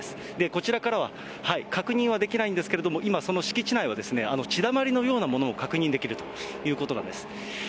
こちらからは、確認はできないんですけれども、今、その敷地内は血だまりのようなものを確認できるということなんです。